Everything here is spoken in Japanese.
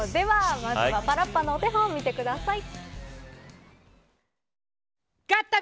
まずはパラッパのお手本見てください。